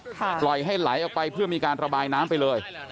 ปล่อยให้ไหลออกไปเพื่อมีการระบายน้ำไปเลย